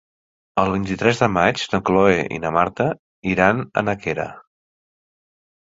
El vint-i-tres de maig na Cloè i na Marta iran a Nàquera.